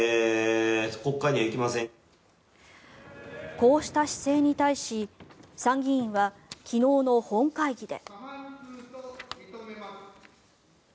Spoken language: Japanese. こうした姿勢に対し参議院は昨日の本会議で。